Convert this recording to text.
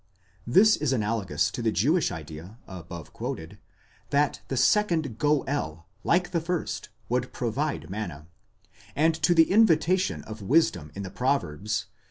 This is analogous to the Jewish idea above quoted, that the second Goél, like the first, would provide manna;* and to the invitation of Wisdom in the Proverbs, ix.